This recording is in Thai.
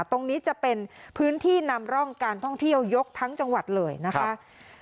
ตรงนี้จะเป็นพื้นที่นำร่องการท่องเที่ยวยกทั้งจังหวัดเลยนะคะ